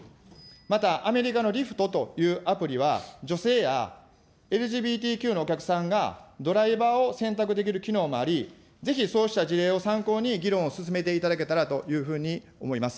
また、アメリカのリフトというアプリは、女性やＬＧＢＴＱのお客さんがドライバーを選択できる機能もあり、ぜひ、そうした事例を参考に、議論を進めていただけたらというふうに思います。